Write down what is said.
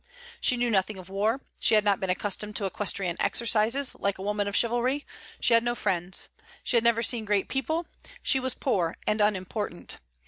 She knew nothing of war; she had not been accustomed to equestrian exercises, like a woman of chivalry; she had no friends; she had never seen great people; she was poor and unimportant.